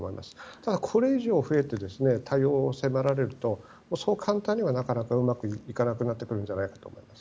ただ、これ以上増えて対応を迫られるとそう簡単にはうまくいかなくなってくると思います。